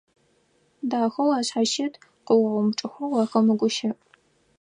Дахэу ашъхьащыт, къыомыупчӀхэу уахэмыгущыӀ.